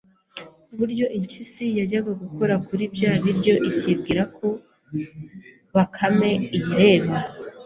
ku buryo impyisi yajyaga gukora kuri bya biryo ikibwira ko Bakame iyireba